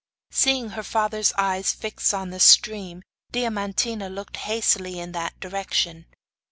Seeing her father's eyes fixed on the stream, Diamantina looked hastily in that direction.